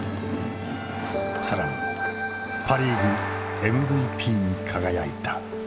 更にパ・リーグＭＶＰに輝いた。